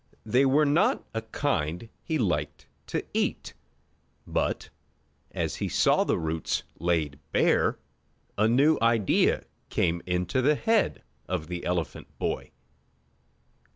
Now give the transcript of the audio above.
They were not a kind he liked to eat, but, as he saw the roots laid bare, a new idea came into the head of the elephant boy.